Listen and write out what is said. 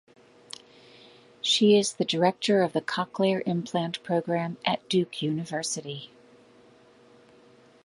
She is the director of the cochlear implant program at Duke University.